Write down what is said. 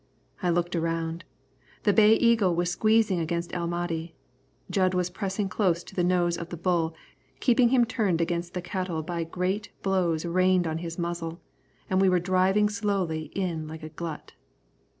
I looked around. The Bay Eagle was squeezing against El Mahdi. Jud was pressing close to the nose of the bull, keeping him turned against the cattle by great blows rained on his muzzle, and we were driving slowly in like a glut.